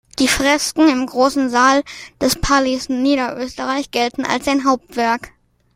Die Fresken im Großen Saal des Palais Niederösterreich gelten als sein Hauptwerk.